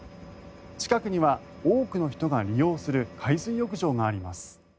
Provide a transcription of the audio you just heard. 近くには多くの人が利用する海水浴場があります。